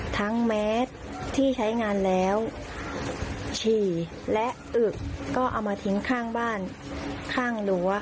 ทั้งแมทที่ใช้งานแล้วฉี่แหละอึกก็เอามาทิ้งข้างบ้าน